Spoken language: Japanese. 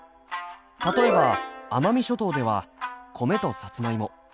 例えば奄美諸島では米とさつまいも。